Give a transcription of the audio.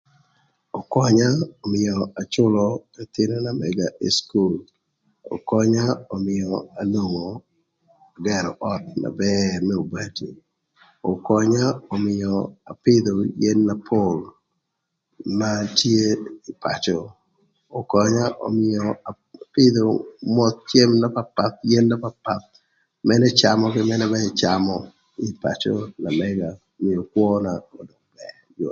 Ökönya ömïa acülö ëthïnö na mëga ï cukul, ökönya ömïa anwongo gërö öt na bër ën obati, ökönya ömïa apïdhö yen na pol na tye pacö, ökönya ömïa apïdhö yen na papath man ëcamö kï man ba ëcamö ï pacö na mëga ömïö kwöna obedo na yot.